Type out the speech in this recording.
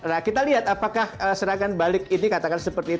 nah kita lihat apakah serangan balik ini katakan seperti itu